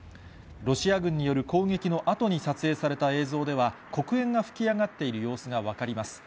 ロシア軍による攻撃のあとに撮影された映像では、黒煙が噴き上がっている様子が分かります。